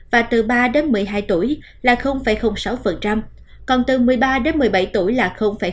và từ ba đến một mươi hai tuổi là sáu còn từ một mươi ba đến một mươi bảy tuổi là hai mươi